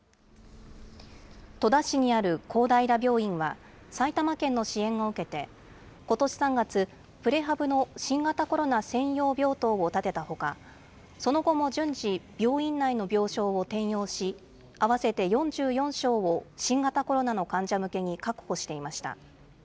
戸田市にある公平病院は、埼玉県の支援を受けて、ことし３月、プレハブの新型コロナ専用病棟を建てたほか、その後も順次、病院内の病床を転用し、合わせて４４床を新型コロナの患者向けに確保していました。